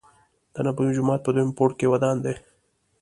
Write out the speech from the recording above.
دنبوی جومات په دویم پوړ کې ودان دی.